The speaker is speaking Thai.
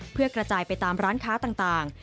เพื่อกระจายไปตามร้านค้าต่าง